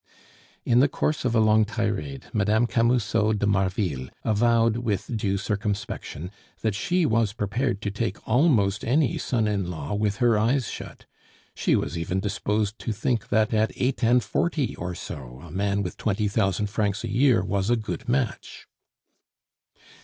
In the course of a long tirade, Mme. Camusot de Marville avowed with due circumspection that she was prepared to take almost any son in law with her eyes shut. She was even disposed to think that at eight and forty or so a man with twenty thousand francs a year was a good match.